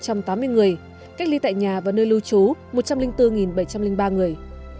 cách ly tại nhà và nơi lưu trú một trăm linh bốn bảy trăm linh ba người